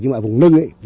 nhưng mà vùng lưng ấy